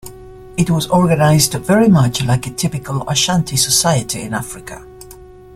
It was organized very much like a typical Ashanti society in Africa.